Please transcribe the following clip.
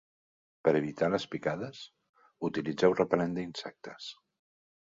Per evitar les picades, utilitzeu repel·lent d'insectes